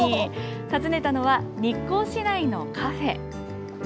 訪ねたのは、日光市内のカフェ。